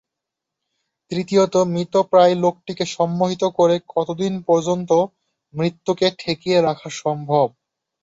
তৃতীয়ত, মৃতপ্রায় লোকটিকে সম্মোহিত করে কতদিন পর্যন্ত তার মৃত্যুকে ঠেকিয়ে রাখা সম্ভব?